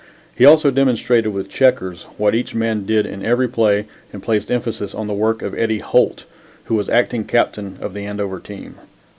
He also demonstrated with checkers what each man did in every play and placed emphasis on the work of Eddie Holt, who was acting captain of the Andover team.